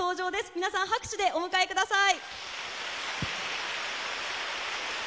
皆さん、拍手でお迎えください。